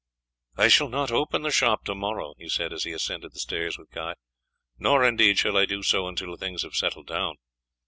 "I shall not open the shop to morrow," he said as he ascended the stairs with Guy, "nor indeed shall I do so until things have settled down.